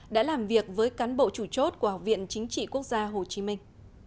đã làm việc với cán bộ chủ chốt của học viện chính trị quốc gia hồ chí minh